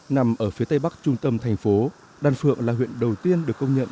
nằm ở phía tây bắc trung tâm thành phố đan phượng là huyện đầu tiên được công nhận